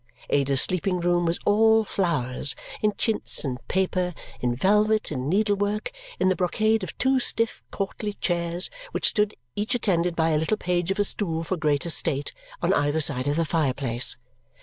Ada's sleeping room was all flowers in chintz and paper, in velvet, in needlework, in the brocade of two stiff courtly chairs which stood, each attended by a little page of a stool for greater state, on either side of the fire place.